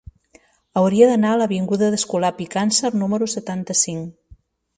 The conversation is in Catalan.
Hauria d'anar a l'avinguda d'Escolapi Càncer número setanta-cinc.